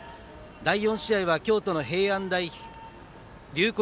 第４試合は京都の龍谷